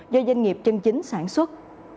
do doanh nghiệp chân chính sản xuất